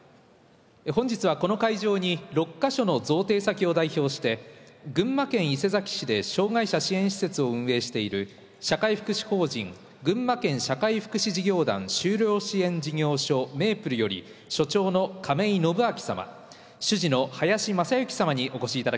本日はこの会場に６か所の贈呈先を代表して群馬県伊勢崎市で障害者支援施設を運営している社会福祉法人群馬県社会福祉事業団就労支援事業所「めーぷる」より所長の亀井伸明様主事の林理之様にお越し頂きました。